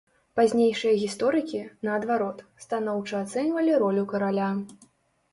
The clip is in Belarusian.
Пазнейшыя гісторыкі, наадварот, станоўча ацэньвалі ролю караля.